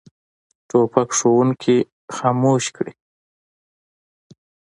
توپک ښوونکي خاموش کړي.